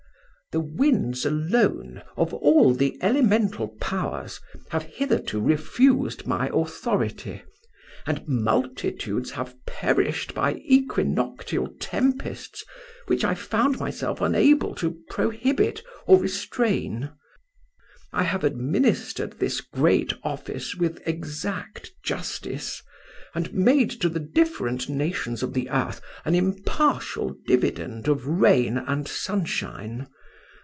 The winds alone, of all the elemental powers, have hitherto refused my authority, and multitudes have perished by equinoctial tempests which I found myself unable to prohibit or restrain. I have administered this great office with exact justice, and made to the different nations of the earth an impartial dividend of rain and sunshine.